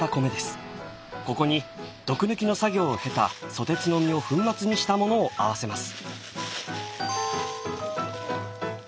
ここに毒抜きの作業を経たソテツの実を粉末にしたものを合わせます。